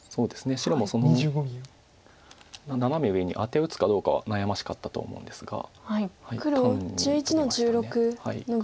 白もそのナナメ上にアテを打つかどうかは悩ましかったと思うんですが単にトビました。